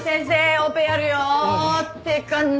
オペやるよ！ってかな